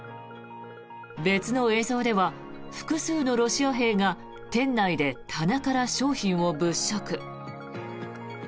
別に映像では、複数のロシア兵が店内で棚から商品を物色。